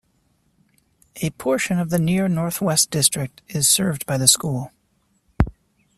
A portion of the Near Northwest district is served by the school.